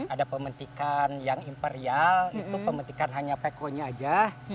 ada pemetikan yang imperial itu pemetikan hanya pekonya aja